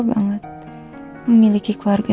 banget memiliki keluarga